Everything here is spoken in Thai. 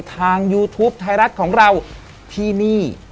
ยูทูปไทยรัฐของเราที่นี่